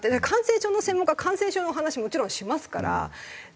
感染症の専門家は感染症の話もちろんしますから。